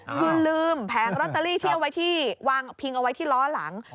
คือลืมแผงลอตเตอรี่ที่เอาไว้ที่วางพิงเอาไว้ที่ล้อหลัง